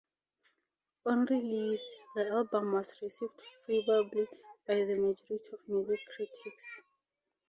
On release, the album was received favourably by the majority of music critics.